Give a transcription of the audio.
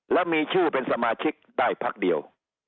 แล้วมีชื่อเป็นสมาชิกได้พักเดียว